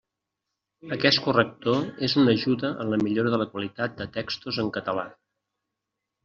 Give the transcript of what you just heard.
Aquest corrector és una ajuda en la millora de la qualitat de textos en català.